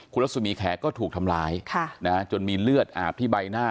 คุณรัศมีแขกก็ถูกทำร้ายจนมีเลือดอาบที่ใบหน้า